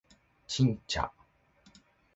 ちんちゃ？